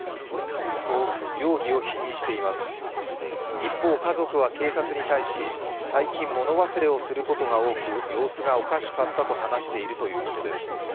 一方、家族は警察に対し最近物忘れをすることが多く様子がおかしかったと話しているということです。